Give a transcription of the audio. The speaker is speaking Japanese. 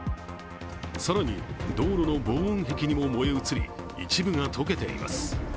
更に、道路の防音壁にも燃え移り一部が溶けています。